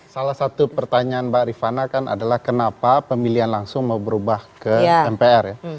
salah satu pertanyaan mbak rifana kan adalah kenapa pemilihan langsung mau berubah ke mpr ya